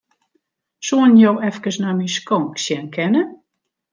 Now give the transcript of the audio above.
Soenen jo efkes nei myn skonk sjen kinne?